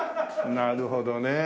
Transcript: なるほどね。